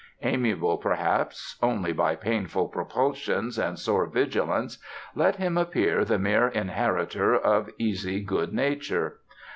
Amiable, perhaps, only by painful propulsions and sore vigilance, let him appear the mere inheritor of easy good nature.